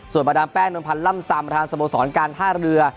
ส่วนประดามแป้งนวลพันธ์ล่ำซำประธานสโมสรการท่าเรือ